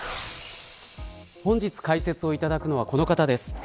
本日解説をいただくのはこの方です。